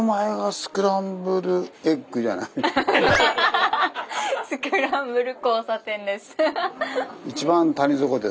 スクランブル交差点です。